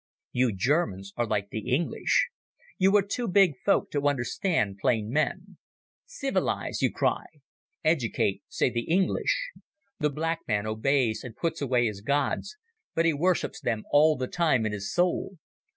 You Germans are like the English; you are too big folk to understand plain men. 'Civilize,' you cry. 'Educate,' say the English. The black man obeys and puts away his gods, but he worships them all the time in his soul.